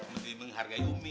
menyihir menghargai umi